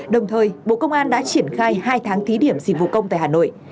đồng thời bộ công an đã triển khai hai tháng thí điểm dịch vụ công tại hà nội